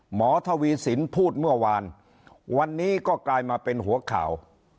หมอทวีสินพูดเมื่อวานวันนี้ก็กลายมาเป็นหัวข่าว